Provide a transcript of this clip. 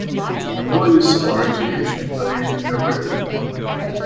Employees' salaries are usually paid in arrear.